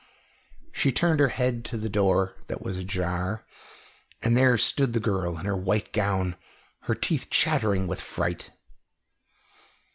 She turned her head to the door that was ajar, and there stood the girl in her white gown, her teeth chattering with fright.